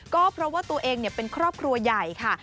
ก็เพราะว่าตัวเองเป็นครอบครัวใหญ่ค่ะ